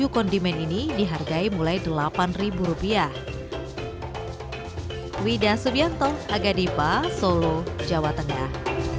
condiment ini dihargai mulai delapan ribu rupiah widas subyokto agadipa solo jawa tengah